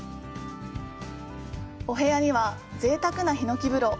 お部屋には、ぜいたくな檜風呂。